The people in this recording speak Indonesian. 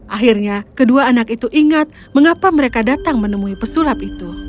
akhirnya kedua anak itu ingat mengapa mereka datang menemui pesulap itu